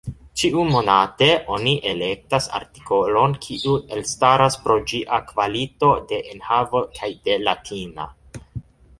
Ĉiumonate oni elektas artikolon kiu elstaras pro ĝia kvalito de enhavo kaj de latina.